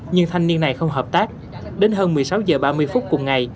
nhưng thanh niên này không hợp tác đến hơn một mươi sáu h ba mươi phút cùng ngày